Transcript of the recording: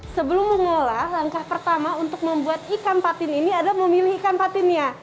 sebelum mengolah langkah pertama untuk membuat ikan patin ini adalah memilih ikan patinnya